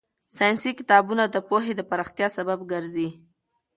ساينسي کتابونه د پوهې د پراختیا سبب ګرځي.